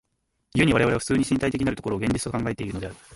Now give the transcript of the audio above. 故に我々は普通に身体的なる所を現実と考えているのである。